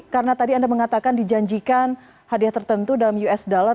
karena tadi anda mengatakan dijanjikan hadiah tertentu dalam us dollar